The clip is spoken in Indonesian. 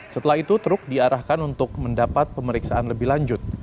setelah itu truk diarahkan untuk mendapat pemeriksaan lebih lanjut